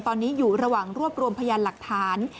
ตอนนี้อยู่ระหว่างรวบรวมพยานหลักฐาน